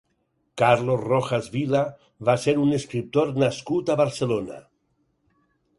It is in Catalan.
Carlos Rojas Vila va ser un escriptor nascut a Barcelona.